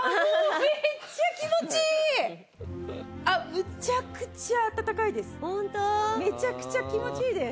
むちゃくちゃ暖かいです。